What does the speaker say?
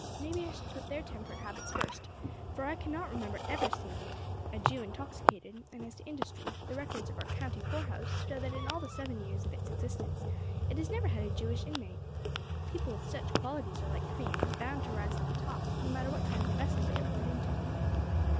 Maybe I should put their temperate habits first, for I can not remember ever seeing a Jew intoxicated; and as to industry, the records of our county poor house show that in all the seventy years of its existence, it has never had a Jewish inmate. People with such qualities are like cream, bound to rise to the top, no matter what kind of a vessel they are poured into."